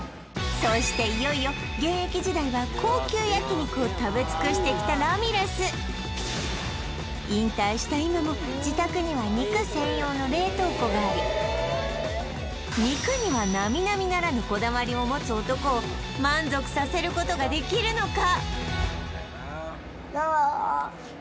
そしていよいよ現役時代は高級焼肉を食べ尽くしてきたラミレス引退した今も自宅にはがあり肉にはなみなみならぬこだわりを持つ男を満足させることができるのか？